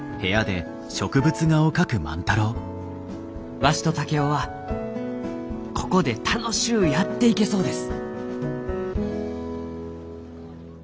「わしと竹雄はここで楽しゅうやっていけそうです」。